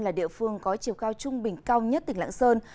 là địa phương có chiều cao trung bình cao nhất tỉnh lãng sơn